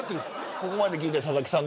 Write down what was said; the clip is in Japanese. ここまで聞いて佐々木さん